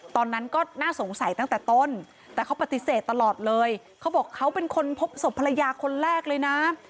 ตอนนั้นก็น่าสงสัยตั้งแต่ต้นแต่เขาปฏิเสธตลอดเลยเขาบอกเขาเป็นคนพบศพภรรยาคนแรกเลยนะ